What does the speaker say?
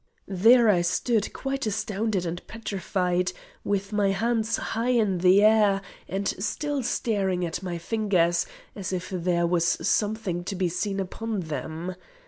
There I stood quite astounded and petrified, with my hands high in the air, and still staring at my fingers, as if their was something to be seen upon them.